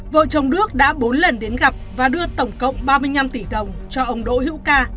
vợ chồng đức đã bốn lần đến gặp và đưa tổng cộng ba mươi năm tỷ đồng cho ông đỗ hữu ca